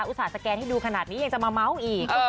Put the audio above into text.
ส่าสแกนให้ดูขนาดนี้ยังจะมาเม้าอีก